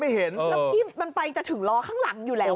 แล้วที่มันไปจะถึงล้อข้างหลังอยู่แล้ว